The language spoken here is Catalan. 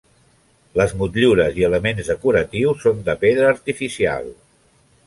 Les motllures i elements decoratius són de pedra artificial.